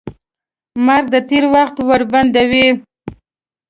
مرګ د تېر وخت ور بندوي.